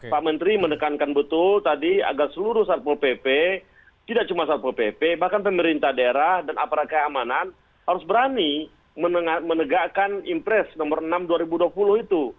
pak menteri menekankan betul tadi agar seluruh satpol pp tidak cuma satpol pp bahkan pemerintah daerah dan aparat keamanan harus berani menegakkan impres nomor enam dua ribu dua puluh itu